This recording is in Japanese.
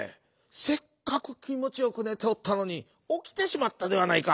せっかくきもちよくねておったのにおきてしまったではないか。